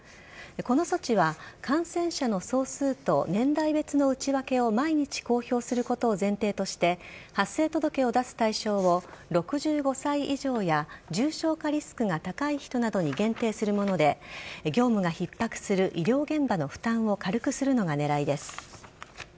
この措置は感染者の総数と年代別の内訳を毎日公表することを前提として発生届を出す対象を６５歳以上や重症化リスクが高い人などに限定するもので業務がひっ迫する医療現場の負担を軽くするのが狙いです。